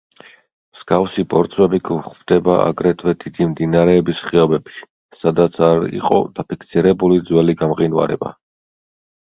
მსგავსი ბორცვები გვხვდება აგრეთვე დიდი მდინარეების ხეობებში, სადაც არ იყო დაფიქსირებული ძველი გამყინვარება.